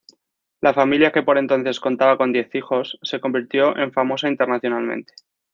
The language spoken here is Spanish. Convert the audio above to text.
La familia, que por entonces contaba con diez hijos, se convirtió en famosa internacionalmente.